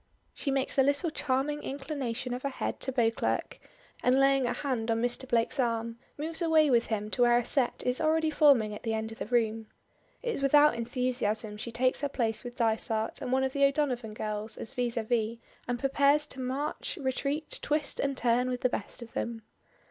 She makes a little charming inclination of her head to Beauclerk, and laying her hand on Mr. Blake's arm, moves away with him to where a set is already forming at the end of the room. It is without enthusiasm she takes her place with Dysart and one of the O'Donovan girls as vis à vis, and prepares to march, retreat, twist and turn with the best of them.